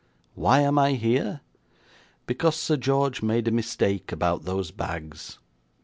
Why am I here? Because Sir George made a mistake about those bags.